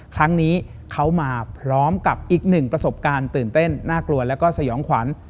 ครั้งนี้เขามาพร้อมกับอีกหนึ่งประสบการณ์ตื่นเต้นน่ากลัวแล้วก็สยองขวัญ